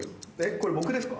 これ僕ですか？